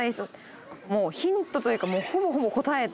ヒントというか。